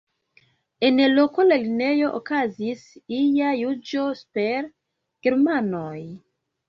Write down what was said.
En loka lernejo okazis ia juĝo super germanoj.